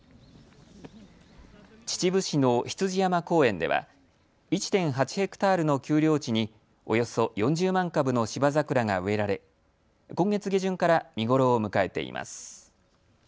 秩父市の羊山公園では１．８ヘクタールの丘陵地におよそ４０万株のシバザクラが植えられ今月下旬から見頃を迎えています。